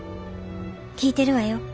聞いてるわよ。